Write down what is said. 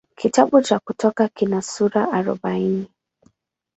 Kitabu cha Kutoka kina sura arobaini.